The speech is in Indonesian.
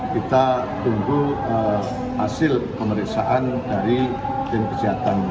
kita tunggu hasil pemeriksaan dari tim kesehatan